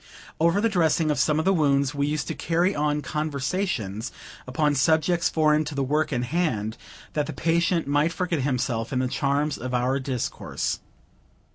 Over the dressing of some of the wounds, we used to carry on conversations upon subjects foreign to the work in hand, that the patient might forget himself in the charms of our discourse.